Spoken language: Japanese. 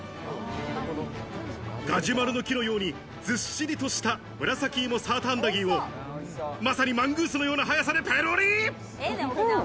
ガジュマルの木のように、ずっしりとした紫芋サーターアンダギーをまさにマングースのような速さでペロリ。